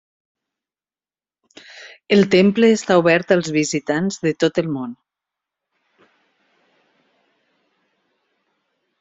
El temple està obert als visitants de tot el món.